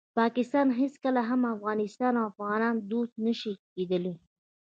پاکستان هیڅکله هم د افغانستان او افغانانو دوست نشي کیدالی.